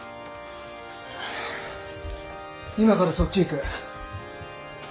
今からそっち行く。